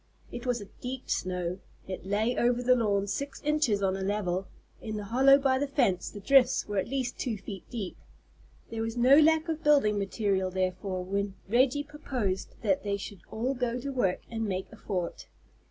It was a deep snow. It lay over the lawn six inches on a level; in the hollow by the fence the drifts were at least two feet deep. There was no lack of building material therefore when Reggie proposed that they should all go to work and make a fort.